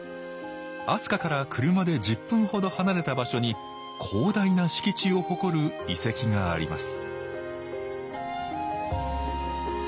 飛鳥から車で１０分ほど離れた場所に広大な敷地を誇る遺跡があります